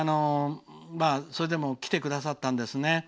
それでも来てくださったんですね。